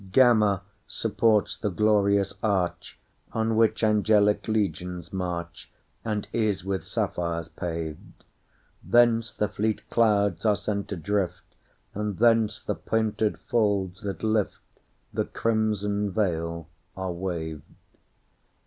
Gamma supports the glorious archOn which angelic legions march, And is with sapphires paved; Thence the fleet clouds are sent adrift, And thence the painted folds that liftThe crimson veil, are waved.